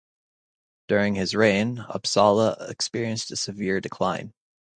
During his reign Uppsala experienced a severe decline.